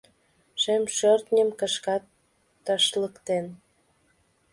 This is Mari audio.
Шем шӧртньым кышкат ташлыктен.